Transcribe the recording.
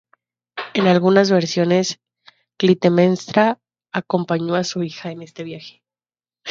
En algunas versiones, Clitemnestra acompañó a su hija en ese viaje.